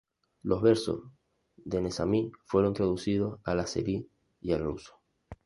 Los versos de Nezamí fueron traducidos al azerí y al ruso.